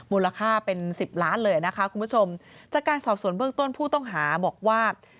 มูลค่าเป็นสิบล้านเลยนะคะคุณผู้ชมจากการสอบส่วนเบื้องต้นผู้ต้องหาบอกว่า